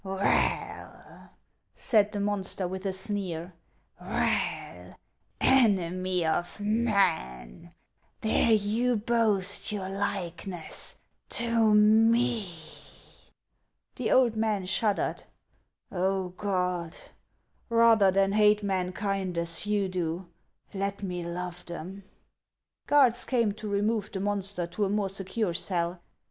u Well," said the monster, with a sneer, —" well, enemy of man, dare you boast your likeness to me ?" The old man shuddered. " Oh, God ! Bather than hate mankind as you do, let me love them." Guards came to remove the monster to a more secure cell.